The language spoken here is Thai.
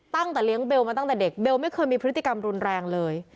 ตั้งแต่เลี้ยงเบลมาตั้งแต่เด็กเบลไม่เคยมีพฤติกรรมรุนแรงเลย